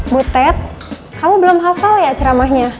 butet kamu belum hafal ya ceramahnya